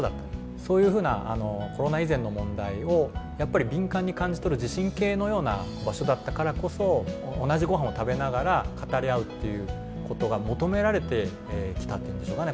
そういうふうなコロナ以前の問題をやっぱり敏感に感じ取る地震計のような場所だったからこそ同じごはんを食べながら語り合うっていうことが求められてきたっていうんでしょうかね